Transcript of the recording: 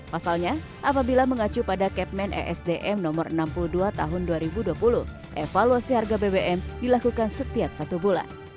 pasalnya apabila mengacu pada kepmen esdm no enam puluh dua tahun dua ribu dua puluh evaluasi harga bbm dilakukan setiap satu bulan